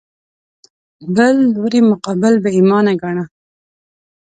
بل لوري مقابل بې ایمانه ګاڼه